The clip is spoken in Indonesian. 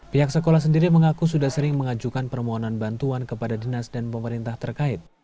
pihak sekolah sendiri mengaku sudah sering mengajukan permohonan bantuan kepada dinas dan pemerintah terkait